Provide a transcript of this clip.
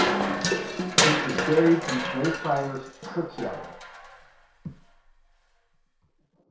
He is buried in Greyfriars Kirkyard.